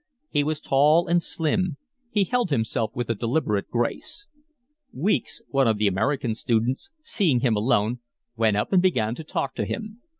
He was tall and slim. He held himself with a deliberate grace. Weeks, one of the American students, seeing him alone, went up and began to talk to him.